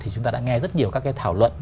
chúng ta đã nghe rất nhiều thảo luận